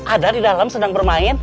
ada di dalam sedang bermain